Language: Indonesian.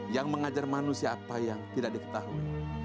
yang mengajar manusia apa yang tidak diketahui